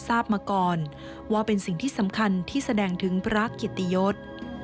ทราบมาก่อนว่าเป็นสิ่งที่สำคัญที่แสดงถึงพระเกียรติยศ